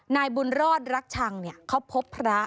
นายบุญรอดรักชังเขาพบพระ